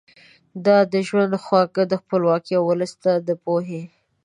ده د ژوند خواږه د خپلواکۍ او ولس ته د پوهې